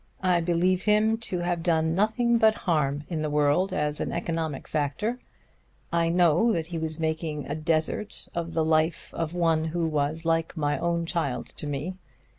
I believe him to have done nothing but harm in the world as an economic factor. I know that he was making a desert of the life of one who was like my own child to me.